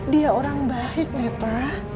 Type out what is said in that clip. dia orang baik neta